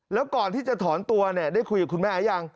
แล้วก่อนที่จะถอนตัวเนี่ยได้คุยกับคุณแม่ยัง